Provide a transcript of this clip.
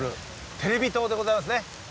テレビ塔でございますね。